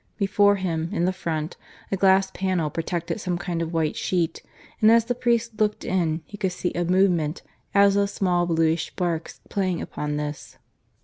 Before him, in the front, a glass panel protected some kind of white sheet; and as the priest looked in he could see a movement as of small bluish sparks playing upon this.